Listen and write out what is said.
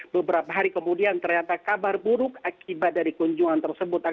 beberapa hari kemudian ternyata kabar buruk akibat dari kunjungan tersebut